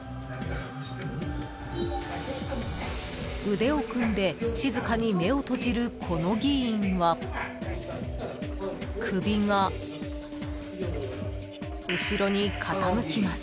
［腕を組んで静かに目を閉じるこの議員は首が後ろに傾きます］